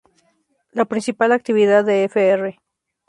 La principal actividad de fr.